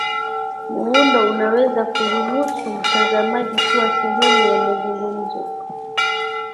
muundo unaweza kuruhusu mtazamaji kuwa sehemu ya mazungumzo